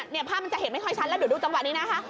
ภาพมันจะเห็นไม่ค่อยชัดแล้วเดี๋ยวดูจังหวะนี้นะคะ